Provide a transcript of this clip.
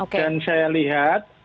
dan saya lihat